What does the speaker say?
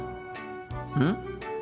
うん？